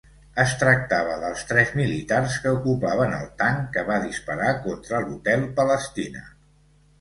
Es tractava dels tres militars que ocupaven el tanc que va disparar contra l'Hotel Palestina.